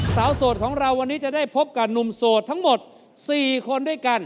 โสดของเราวันนี้จะได้พบกับหนุ่มโสดทั้งหมด๔คนด้วยกัน